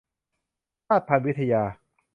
ชาติพันธุ์วิทยา